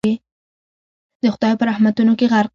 د خدای په رحمتونو کي غرق